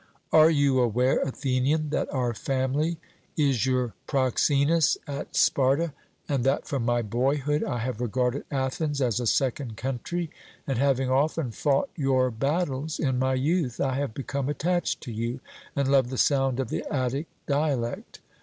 'Are you aware, Athenian, that our family is your proxenus at Sparta, and that from my boyhood I have regarded Athens as a second country, and having often fought your battles in my youth, I have become attached to you, and love the sound of the Attic dialect?